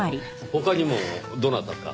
他にもどなたか？